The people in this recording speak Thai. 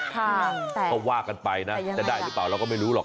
ก็ว่ากันไปนะจะได้หรือเปล่าเราก็ไม่รู้หรอก